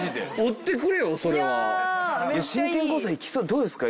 どうですか？